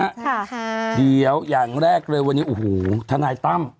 ค่ะเดี๋ยวอย่างแรกเลยวันนี้โอ้โหทนายตั้ม